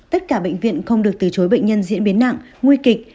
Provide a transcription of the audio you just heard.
tất cả bệnh viện không được từ chối bệnh nhân diễn biến nặng nguy kịch